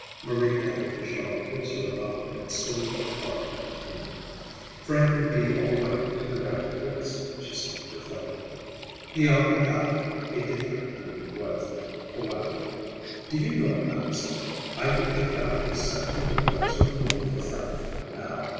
Marie gathered the shawl closer about her and still looked hard at the cane. "Frank would be all right in the right place," she said reflectively. "He ought to have a different kind of wife, for one thing. Do you know, Alexandra, I could pick out exactly the right sort of woman for Frank—now.